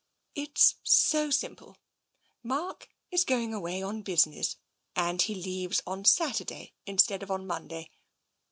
" It's so simple. Mark is going away on business, and he leaves on Saturday instead of on Monday.